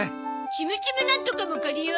チムチムなんとかも借りよ！